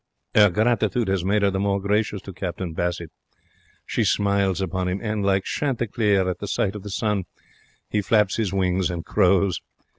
'Er gratitude has made her the more gracious to Captain Bassett. She smiles upon him. And, like Chanticleer at the sight of the sun, he flaps his wings and crows.